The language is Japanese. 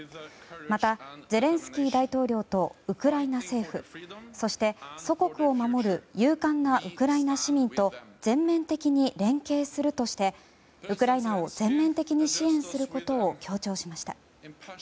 また、ゼレンスキー大統領とウクライナ政府そして、祖国を守る勇敢なウクライナ市民と全面的に連携するとしてウクライナを全面的に支援することを強調しました。